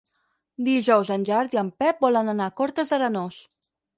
Dijous en Gerard i en Pep volen anar a Cortes d'Arenós.